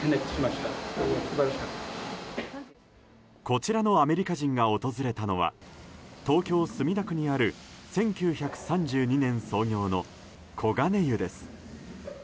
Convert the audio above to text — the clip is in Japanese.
こちらのアメリカ人が訪れたのは東京・墨田区にある１９３２年創業の黄金湯です。